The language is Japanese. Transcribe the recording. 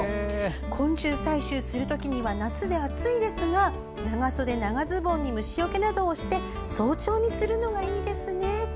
昆虫採集するときには夏で暑いですが長袖、長ズボンに虫除けなどをして早朝にするのがいいですね、と。